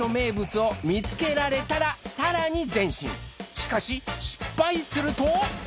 しかし失敗すると。